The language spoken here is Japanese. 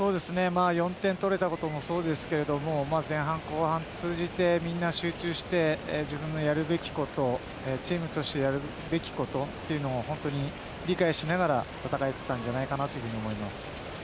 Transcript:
４点取れたこともそうですけど前半、後半通じてみんな集中して自分のやるべきことチームとしてやるべきことを本当に、理解しながら戦えていたんじゃないかと思います。